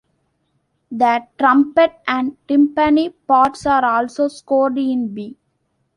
The trumpet and timpani parts are also scored in B.